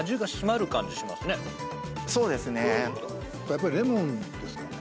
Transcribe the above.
やっぱりレモンですかね？